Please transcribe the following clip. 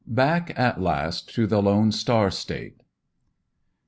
BACK AT LAST TO THE LONE STAR STATE.